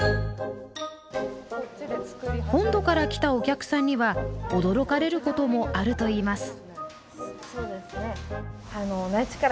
本土から来たお客さんには驚かれることもあるといいます。